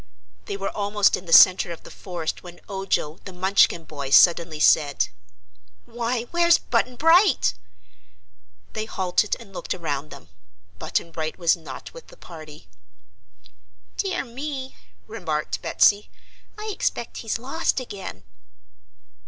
They were almost in the center of the forest when Ojo, the Munchkin boy, suddenly said: "Why, where's Button Bright?" They halted and looked around them. Button Bright was not with the party. "Dear me," remarked Betsy, "I expect he's lost again!"